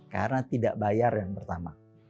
karena tidak bayar yang pertama